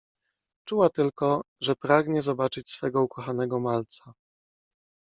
Czuła tylko, że pragnie zobaczyć swego ukochanego malca.